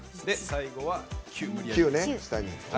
最後は「９」。